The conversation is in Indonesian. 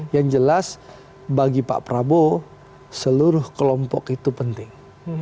yang jelas bagi pak prabowo seluruh kelompok itu penting